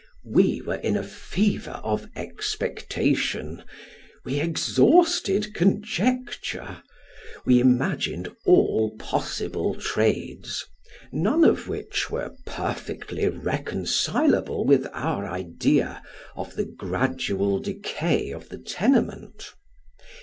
We were in a fever of expecta tion ; we exhausted conjecture we imagined all possible trades, none of which were perfectly reconcilable with our idea of the gradual decay of the tenement.